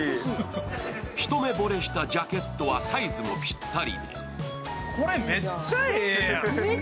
一目ぼれしたジャケットはサイズもピッタリ。